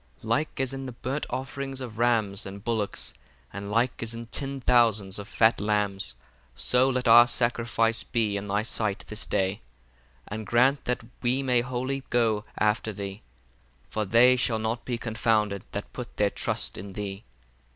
17 Like as in the burnt offerings of rams and bullocks, and like as in ten thousands of fat lambs: so let our sacrifice be in thy sight this day, and grant that we may wholly go after thee: for they shall not be confounded that put their trust in thee.